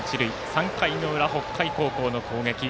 ３回の裏、北海高校の攻撃。